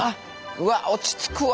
うわ落ち着くわ！